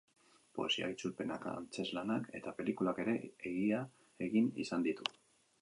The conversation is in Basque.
Poesiak, itzulpenak, antzezlanak eta pelikulak ere egin izan ditu.